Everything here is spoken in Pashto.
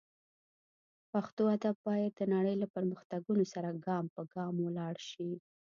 پښتو ادب باید د نړۍ له پرمختګونو سره ګام پر ګام لاړ شي